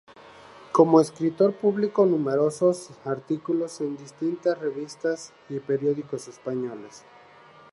Como escritor, publicó numerosos artículos en distintas revistas y periódicos españoles.